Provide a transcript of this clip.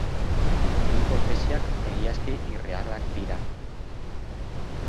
Bi hipotesiak egiazki irrealak dira.